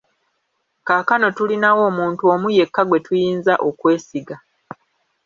Kaakano tulinawo omuntu omu yekka gwe tuyinza okwesiga.